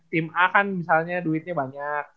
tim a kan misalnya duitnya banyak